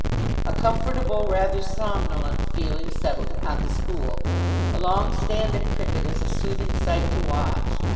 A comfortable, rather somnolent feeling settled upon the school. A long stand at cricket is a soothing sight to watch.